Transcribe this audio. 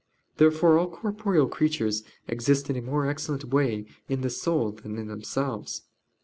Therefore all corporeal creatures exist in a more excellent way in the soul than in themselves.